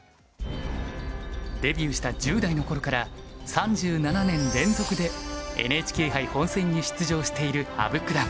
デビューした１０代の頃から３７年連続でＮＨＫ杯本戦に出場している羽生九段。